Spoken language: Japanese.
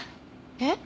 えっ？